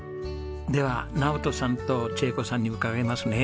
では直登さんと智恵子さんに伺いますね。